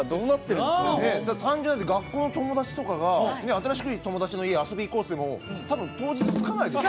単純に学校の友達とかが新しい友達の家遊びに行こうっつっても多分当日着かないですよ